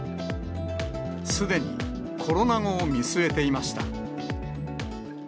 すでにコロナ後を見据えていました。